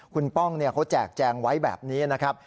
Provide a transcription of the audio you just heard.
คุณป้องเขาแจกแจงไว้แบบนี้นะครับ